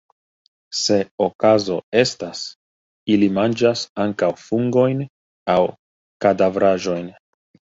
Se okazo estas, ili manĝas ankaŭ fungojn aŭ kadavraĵojn.